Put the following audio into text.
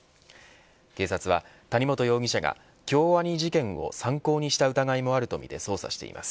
警察は、谷本容疑者が京アニ事件を参考にした疑いもあるとみて捜査しています。